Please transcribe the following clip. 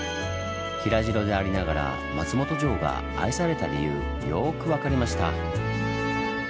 平城でありながら松本城が愛された理由よく分かりました。